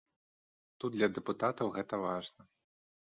Тут для дэпутатаў гэта важна.